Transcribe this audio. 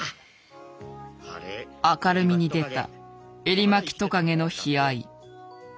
明るみに出たエリマキトカゲの悲哀。